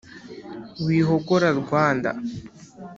wihogora rwanda